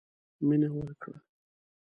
مينه ورکړه.